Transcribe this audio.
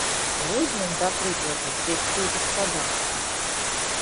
Возьмем, да прыкладу, сельскую гаспадарку.